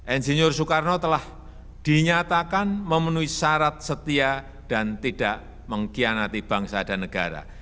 insinyur soekarno telah dinyatakan memenuhi syarat setia dan tidak mengkhianati bangsa dan negara